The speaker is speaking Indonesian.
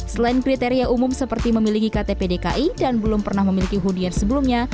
selain kriteria umum seperti memiliki ktp dki dan belum pernah memiliki hunian sebelumnya